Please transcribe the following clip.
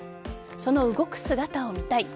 その動く姿を見たい。